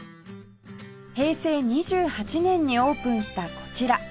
平成２８年にオープンしたこちら